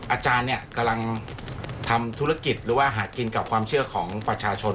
อาจารย์เนี่ยกำลังทำธุรกิจหรือว่าหากินกับความเชื่อของประชาชน